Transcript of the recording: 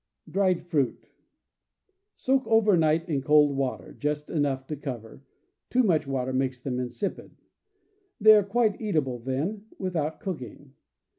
Dried Fruit. — Soak over night in cold water, just enough to cover — too much water makes them insipid. They are quite eatable then, without cooking.